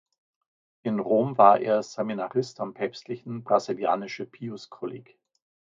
In Rom war er Seminarist am Päpstlichen Brasilianische Pius-Kolleg.